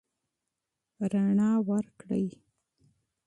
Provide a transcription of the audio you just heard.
رڼا ورکړئ.